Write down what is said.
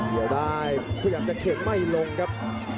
อยู่ได้เพื่อยังจะเข็งไม่ลงครับ